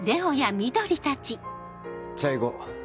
『チャイ５』